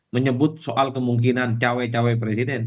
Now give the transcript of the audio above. menyebut soal kemungkinan cawe cawe presiden